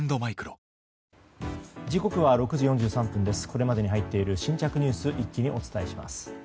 これまでに入っている新着ニュース一気にお伝えします。